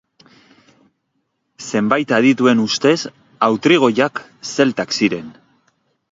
Zenbait adituen ustez autrigoiak zeltak ziren.